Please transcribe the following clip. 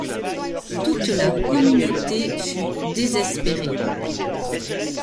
Toute la communauté fut désespérée.